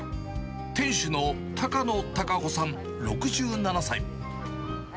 店主の高野多賀子さん６７歳。